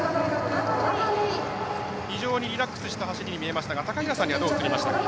非常にリラックスした走りに見えましたが高平さんにはどう映りましたか？